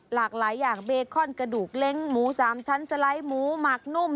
หลากหลายอย่างเบคอนกระดูกเล้งหมู๓ชั้นสไลด์หมูหมักนุ่ม